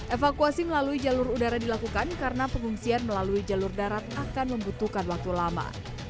evakuasi melalui jalur udara dilakukan karena pengungsian melalui jalur darat akan membutuhkan waktu lama